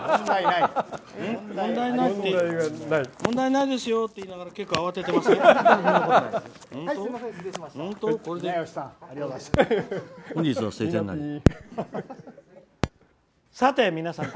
問題ないですよって言いながら結構慌ててません？